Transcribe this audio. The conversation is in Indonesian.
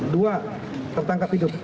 dua tertangkap hidup